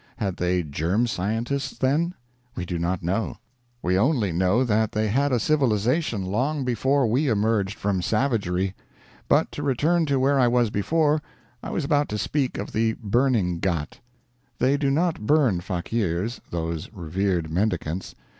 Had they germ scientists then? We do not know. We only know that they had a civilization long before we emerged from savagery. But to return to where I was before; I was about to speak of the burning ghat. They do not burn fakeers those revered mendicants.